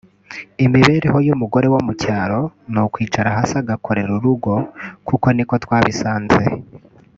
imibereho y’umugore wo mu cyaro ni ukwicara hasi agakorera urugo kuko niko twabisanze